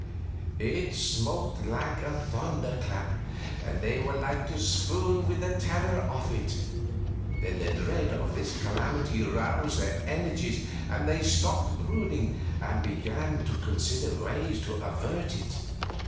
It smote like a thunderclap, and they were like to swoon with the terror of it. Then the dread of this calamity roused their energies, and they stopped brooding and began to consider ways to avert it.